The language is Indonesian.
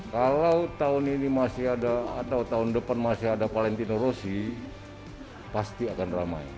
kalau tahun ini masih ada atau tahun depan masih ada valentino rossi pasti akan ramai